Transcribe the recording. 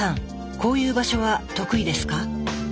こういう場所は得意ですか？